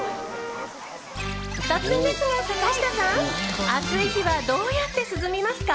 突然ですが、坂下さん暑い日はどうやって涼みますか？